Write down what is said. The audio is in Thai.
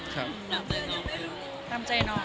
ตามใจน้อง